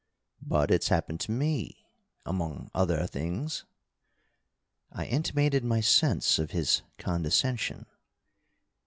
"But it's happened to me. Among other things." I intimated my sense of his condescension.